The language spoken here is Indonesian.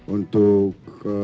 untuk mencapai sasaran sasaran